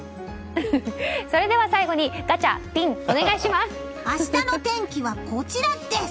それでは最後にガチャピン明日の天気はこちらです！